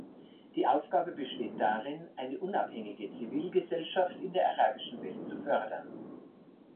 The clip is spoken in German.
Die Aufgabe besteht darin, eine unabhängige Zivilgesellschaft in der arabischen Welt zu fördern.